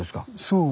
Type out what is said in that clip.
そう。